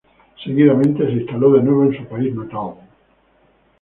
Seguidamente se instaló de nuevo en su país natal.